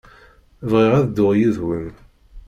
Bɣiɣ ad dduɣ yid-wen.